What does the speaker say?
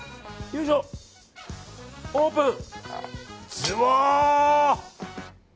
オープン！